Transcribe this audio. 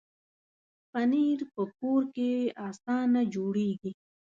پنېر په کور کې اسانه جوړېږي.